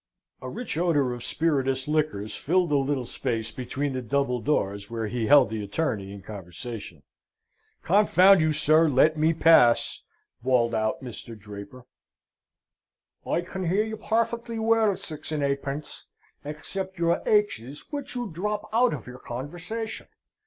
A rich odour of spirituous liquors filled the little space between the double doors where he held the attorney in conversation. "Confound you, sir, let me pass!" bawled out Mr. Draper. "I can hear you perfectly well, Six and eightpence, except your h's, which you dthrop out of your conversation.